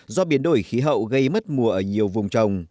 do biến đổi khí hậu gây mất mùa ở nhiều vùng trồng